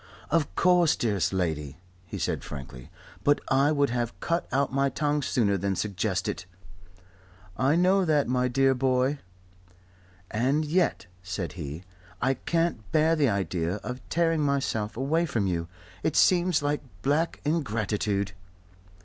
"Of course, dearest lady," he said frankly. "But I would have cut out my tongue sooner than suggest it." "I know that, my dear boy." "And yet," said he, "I can't bear the idea of tearing myself away from you. It seems like black ingratitude."